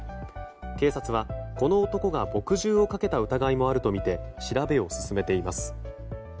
警察はこの男が墨汁をかけた疑いもあるとみて調べを進めています。